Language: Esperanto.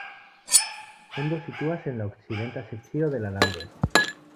Ondo situas en la okcidenta sekcio de la lando.